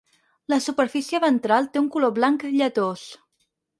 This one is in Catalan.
La superfície ventral té un color blanc lletós.